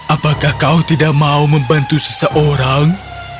apakah kau tidak mau membantu seseorang